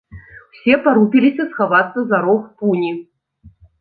Усе парупіліся схавацца за рог пуні.